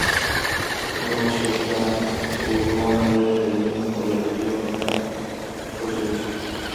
نور شرقیان وروڼه یې د وینو په بهېدلو نه خوږېږي.